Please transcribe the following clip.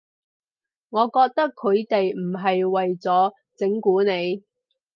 我覺得佢哋唔係為咗整蠱你